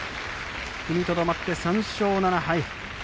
踏みとどまって、３勝７敗。